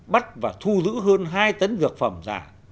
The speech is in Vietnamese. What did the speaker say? bắt và thu giữ hơn hai tấn dược phẩm giả